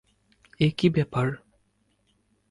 এ কী ব্যাপার।